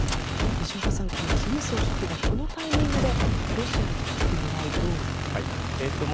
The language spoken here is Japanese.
西岡さん、金総書記がこのタイミングでロシアに行く狙いどうご覧になっていますか？